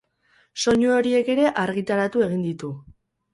Soinu horiek ere argitaratu egin ditu.